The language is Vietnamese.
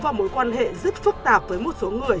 và mối quan hệ rất phức tạp với một số người